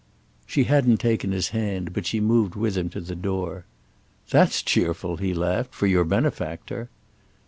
She hadn't taken his hand, but she moved with him to the door. "That's cheerful," he laughed, "for your benefactor!"